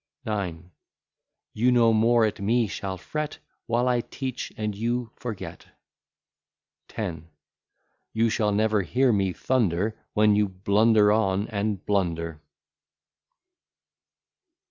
IX You no more at me shall fret, While I teach and you forget. X You shall never hear me thunder, When you blunder on, and blunder.